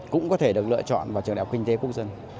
cũng có thể được lựa chọn với khối b trước đây